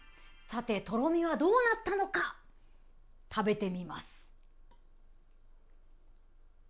さて、とろみはどうなったのか食べてみます。